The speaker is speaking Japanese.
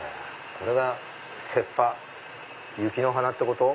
これが雪の花ってこと？